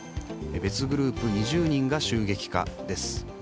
別グループ２０人が襲撃か、です。